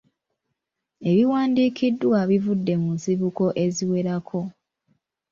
Ebiwandiikiddwa bivudde mu nsibuko eziwerako.